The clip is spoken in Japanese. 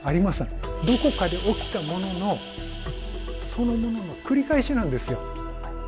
どこかで起きたもののそのものの繰り返しなんですよ。